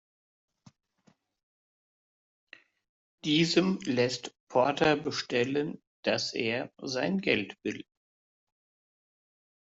Diesem lässt Porter bestellen, dass er sein Geld will.